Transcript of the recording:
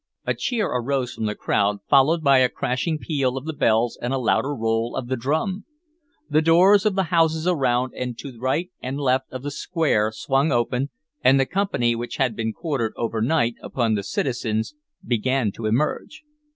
A cheer arose from the crowd, followed by a crashing peal of the bells and a louder roll of the drum. The doors of the houses around and to right and left of the square swung open, and the company which had been quartered overnight upon the citizens began to emerge.